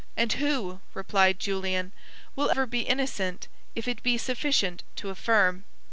"And who," replied Julian, "will ever be innocent, if it be sufficient to affirm?"